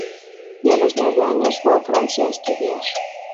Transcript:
Y a los nueve años fue a Francia a estudiar.